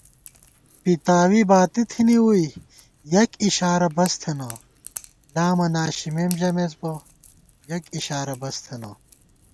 پِتاوی باتی تھنی ووئی یَک اِشارہ بس تھنہ * لامہ ناشِمېم ژَمېس بہ یَک اِشارہ بس تھنہ